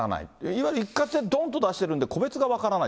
いわゆる一括でどんと出してるんで、個別が分からない。